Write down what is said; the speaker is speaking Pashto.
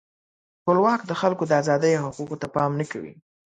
ټولواک د خلکو د آزادۍ او حقوقو ته پام نه کوي.